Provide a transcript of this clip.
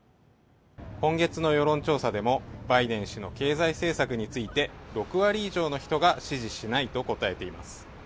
今月の世論調査でも、バイデン氏の経済政策について、６割以上の人が支持しないと答えています。